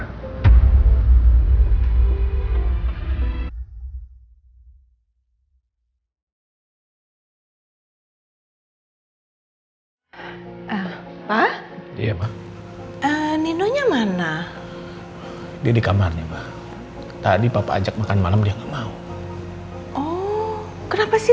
hai apa dia nino nya mana di kamarnya tadi papa ajak makan malam dia mau oh kenapa sih